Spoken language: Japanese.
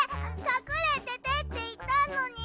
かくれててっていったのに。